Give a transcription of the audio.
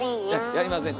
やりません。